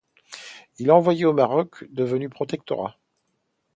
Il est envoyé au Maroc devenu protectorat.